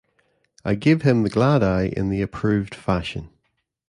I gave him the glad eye in the approved fashion.